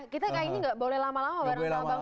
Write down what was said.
kita kayak ini gak boleh lama lama bareng sama bang falan